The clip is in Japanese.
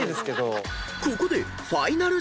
［ここで］